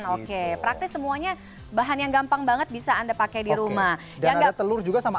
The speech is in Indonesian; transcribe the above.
oke praktis semuanya bahan yang gampang banget bisa anda pakai di rumah ya enggak telur juga sama